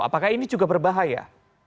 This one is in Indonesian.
apakah ini juga berbahaya